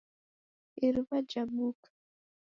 Iruwa jabuka.